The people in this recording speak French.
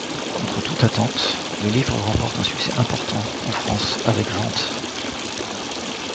Contre toute attente, le livre remporte un succès important en France avec ventes.